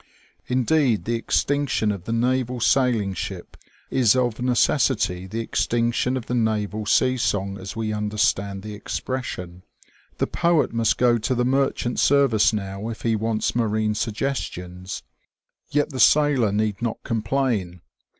Indeed, the extinction of the naval sailing ship is of neces sity the extinction of the naval sea song as we under stand the expression. The poet must go to the merchant service now if he wants marine suggestions. Yet the sailor need not complain.